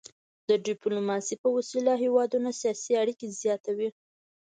د ډيپلوماسي په وسيله هیوادونه سیاسي اړيکي زیاتوي.